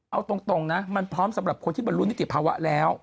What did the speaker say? เอาตรงนะมันพร้อมสำหรับคนที่บรรลุนิติภาวะแล้ว